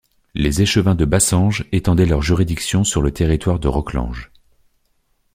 Les échevins de Bassenge étendaient leur juridiction sur le territoire de Roclenge.